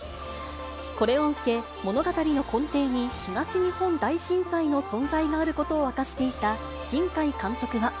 これを受け、物語の根底に東日本大震災の存在があることを明かしていた新海監